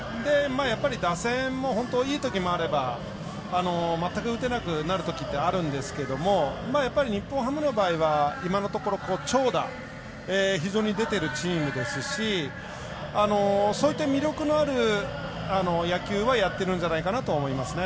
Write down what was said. やっぱり打線も本当にいいときもあれば全く打てなくなるときってあるんですけどもやっぱり日本ハムの場合は今のところ長打非常に出ているチームですしそういった魅力のある野球はやってるんじゃないかと思います。